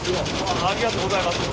ありがとうございます。